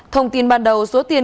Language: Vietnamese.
thông tin ban đầu số tiền